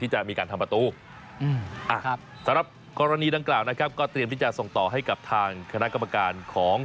สำหรับกรณีดังกล่าวนะครับก็เตรียมที่จะส่งต่อให้กับทางคณะกรรมการของ